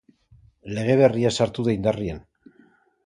Lege berria sartu da indarrean.